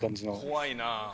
怖いな。